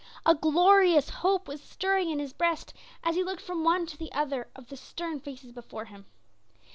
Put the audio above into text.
A glorious hope was stirring in his breast as he looked from one to the other of the stern faces before him.